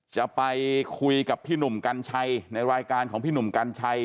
จะไปคุยกับพี่หนุ่มกัญชัยในรายการของพี่หนุ่มกัญชัย